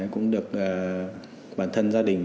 cũng được bản thân gia đình